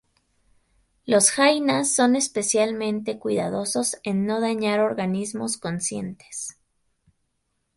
Los jainas son especialmente cuidadosos en no dañar organismos conscientes.